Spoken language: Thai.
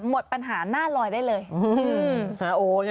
หมดปัญหาหน้าลอยได้เลย